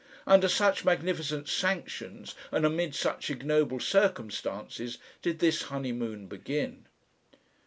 Under such magnificent sanctions and amid such ignoble circumstances did this honeymoon begin.